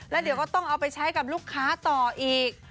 แล้วเดี๋ยวก็ต้องเอาไปใช้กับลูกค้าต่ออีก